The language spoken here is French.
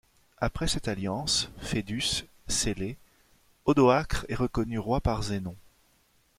Après cette alliance – fœdus – scellée, Odoacre est reconnu roi par Zenon.